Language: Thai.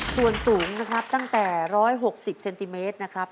ส่วนสูงนะครับตั้งแต่๑๖๐เซนติเมตรนะครับ